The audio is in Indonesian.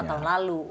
itu lima tahun lalu